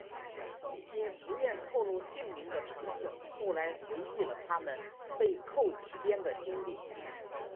一些不愿透露姓名的乘客后来回忆了他们被扣期间的经历。